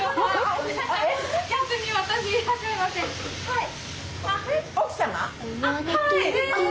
はい！